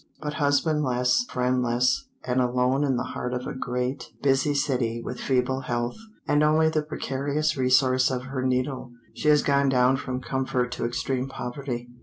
But husband less, friendless, and alone in the heart of a great, busy city, with feeble health, and only the precarious resource of her needle, she has gone down from comfort to extreme poverty.